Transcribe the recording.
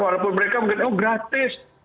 walaupun mereka mungkin oh gratis